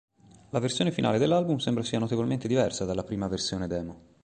La versione finale dell'album sembra sia notevolmente diversa dalla prima versione demo.